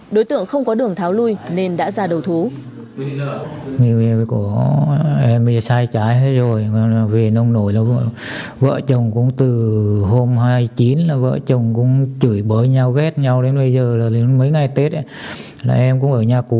đối tượng không có đường tháo lui nên đã ra đầu thú